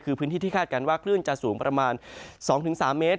คือพื้นที่ที่คาดการณ์ว่าคลื่นจะสูงประมาณ๒๓เมตร